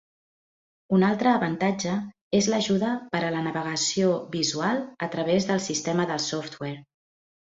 Una altre avantatge és l'ajuda per a la navegació visual a través del sistema del software.